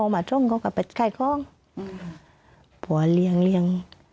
ไว้สองวันห้าสิ้น